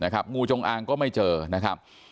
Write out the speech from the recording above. งูจงอางก็ไม่เจอนะครับ